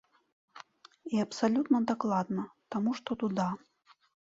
І абсалютна дакладна, таму што дуда.